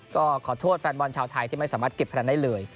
ก็ขอโทษแฟนบอลชาวไทยที่ไม่สามารถเก็บคะแนนได้เลย